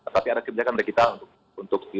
tapi ada kebijakan dari kita untuk